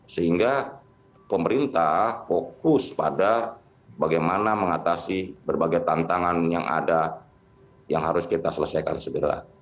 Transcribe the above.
sehingga pemerintah fokus pada bagaimana mengatasi berbagai tantangan yang ada yang harus kita selesaikan segera